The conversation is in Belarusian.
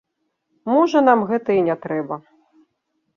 Можа, нам гэта і не трэба.